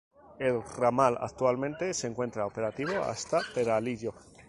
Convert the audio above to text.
El ramal actualmente se encuentra operativo hasta Peralillo.